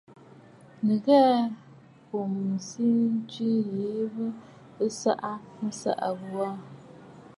Nɨ ghɛɛ, mbù ǹzi tsiʼǐ a njwi yìi bɨ tɛ'ɛ nsaʼa nɨ mɨ̀saʼa ghu aà.